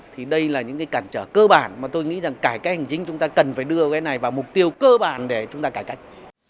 thì đây là những cái cản trở cơ bản mà tôi nghĩ rằng cải cách hành chính chúng ta cần phải đưa cái này vào mục tiêu cơ bản để chúng ta cải cách